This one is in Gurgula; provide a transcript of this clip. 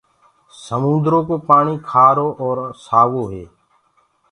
سموندرو ڪو پآڻي کآرو آور سآوو هي